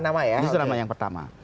ini masalah nama ya